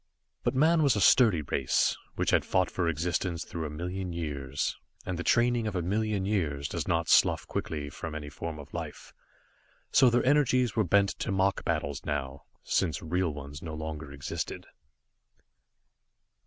But man was a sturdy race, which had fought for existence through a million years, and the training of a million years does not slough quickly from any form of life, so their energies were bent to mock battles now, since real ones no longer existed.